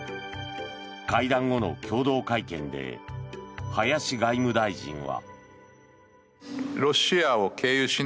会談後の共同会見で林外務大臣は。